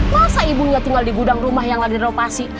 masa ibunya tinggal di gudang rumah yang lagi teropasi